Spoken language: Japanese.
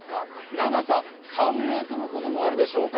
長さ３ｍほどもあるでしょうか